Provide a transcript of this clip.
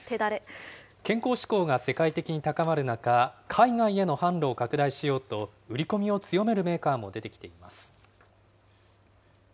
健康志向が世界的に高まる中、海外への販路を拡大しようと、売り込みを強めるメーカーも出てきています。